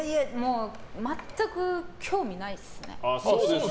全く興味ないですね。